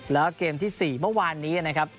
แล้วเกมที่๔เมื่อวานนี้นะครับ